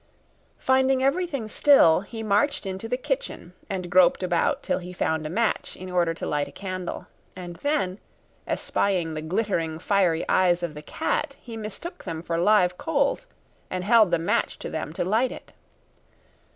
Finding everything still, he marched into the kitchen, and groped about till he found a match in order to light a candle; and then, espying the glittering fiery eyes of the cat, he mistook them for live coals, and held the match to them to light it.